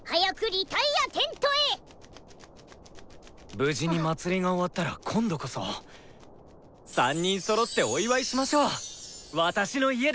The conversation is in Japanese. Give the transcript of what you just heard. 無事に祭が終わったら今度こそ３人そろってお祝いしましょう私の家で。